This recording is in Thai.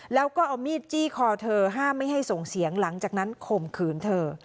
แล้วก็เอามีดจี้คอเธอห้ามไม่ให้ส่งเสียงหลังจากนั้นข่มขืนเธอ